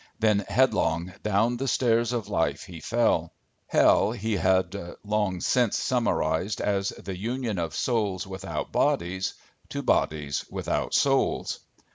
Then headlong down the stair of life he fell. Hell he had long since summarised as the union of souls without bodies to bodies without souls.